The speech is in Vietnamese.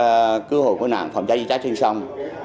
cơ hội cứu hồ cứu nạn phòng cháy dưới cháy trên sông